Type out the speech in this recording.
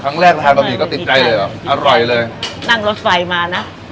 แรกทานบะหมี่ก็ติดใจเลยเหรออร่อยเลยนั่งรถไฟมานะ